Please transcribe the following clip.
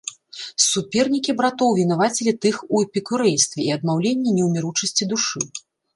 Супернікі братоў вінавацілі тых у эпікурэйстве і адмаўленні неўміручасці душы.